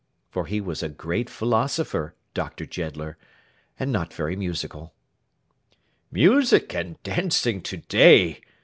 For he was a great philosopher, Doctor Jeddler, and not very musical. 'Music and dancing to day!